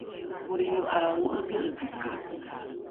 molrino ’a o’edhe’edheke